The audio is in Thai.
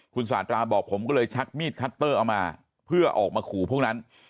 คุณสาตราบอกผมก็เลยชักมีดคัตเตอร์เอามาเพื่อออกมาขู่พวกนั้น